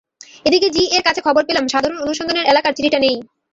এদিকে জি-এর কাছে খবর পেলাম সাধারণ অনুসন্ধানের এলাকার মধ্যে চিঠিটা নেই।